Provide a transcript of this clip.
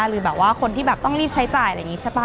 หรือแบบว่าคนที่แบบต้องรีบใช้จ่ายอะไรอย่างนี้ใช่ป่